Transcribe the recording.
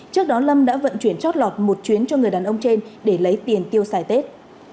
trước đó lâm đã vận chuyển chót lọt một chuyến cho người đàn ông trên để lấy tiền tiêu xài tết